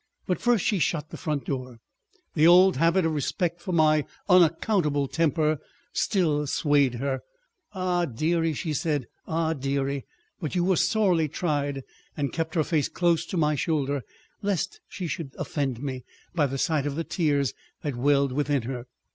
... But first she shut the front door. The old habit of respect for my unaccountable temper still swayed her. "Ah deary!" she said, "ah deary! But you were sorely tried," and kept her face close to my shoulder, lest she should offend me by the sight of the tears that welled within her.